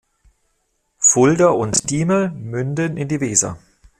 Fulda und Diemel münden in die Weser.